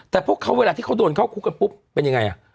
แต่พวกเขาเวลาที่เขาโดนเข้าคุกกันปุ๊บเป็นยังไง